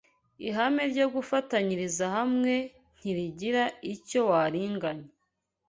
ihame ryo gufatanyiriza hamwe ntirigira icyo waringanya